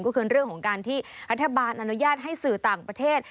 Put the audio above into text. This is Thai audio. ก็คือเรื่องของการที่รัฐบาลอนุญาตให้สื่อต่างประเทศ